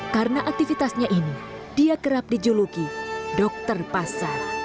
karena aktivitasnya ini dia kerap dijuluki dokter pasar